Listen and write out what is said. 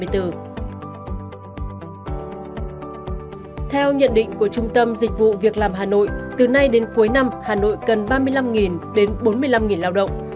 theo nhận định của trung tâm dịch vụ việc làm hà nội từ nay đến cuối năm hà nội cần ba mươi năm đến bốn mươi năm lao động